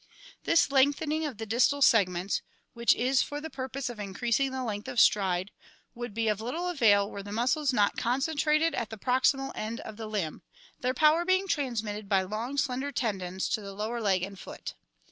This lengthening of the distal segments, which is for the pur pose of increasing the length of stride, would be of little avail were the muscles not concentrated at the proximal end of the limb, their power being transmitted by long slender tendons to the lower leg and foot.